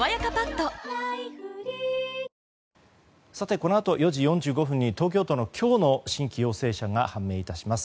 このあと４時４５分に東京都の今日の新規陽性者が判明致します。